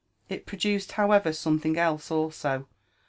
It produced, however, something else also.